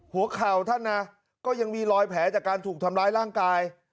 หัวเข่าท่านนะก็ยังมีรอยแผลจากการถูกทำร้ายร่างกาย